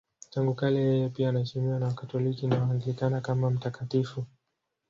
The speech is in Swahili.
Tangu kale yeye pia anaheshimiwa na Wakatoliki na Waanglikana kama mtakatifu.